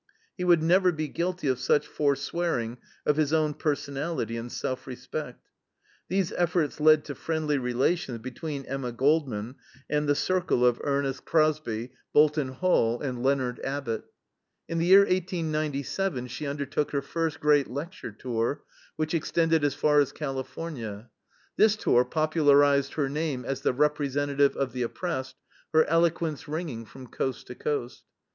He would never be guilty of such forswearing of his own personality and self respect. These efforts led to friendly relations between Emma Goldman and the circle of Ernest Crosby, Bolton Hall, and Leonard Abbott. In the year 1897 she undertook her first great lecture tour, which extended as far as California. This tour popularized her name as the representative of the oppressed, her eloquence ringing from coast to coast.